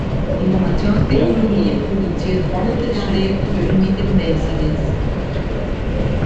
Informationstechnologie produziert Gutes, Schlechtes und Mittelmäßiges.